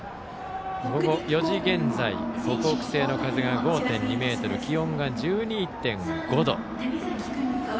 午後４時現在北北西の風が５．２メートル気温が１２．５度。